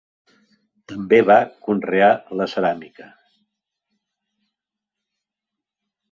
També va conrear la ceràmica.